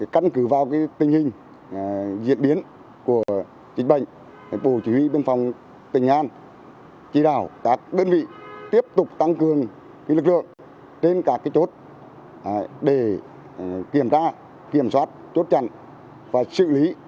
căn cứ vào tình hình diễn biến của dịch bệnh bộ chỉ huy biên phòng tỉnh an chỉ đạo các đơn vị tiếp tục tăng cường lực lượng trên các chốt để kiểm tra kiểm soát chốt chặn và xử lý